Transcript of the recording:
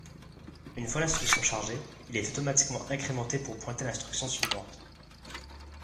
Une fois l'instruction chargée, il est automatiquement incrémenté pour pointer l'instruction suivante.